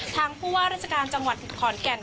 ทางผู้ว่าราชการจังหวัดขอนแก่น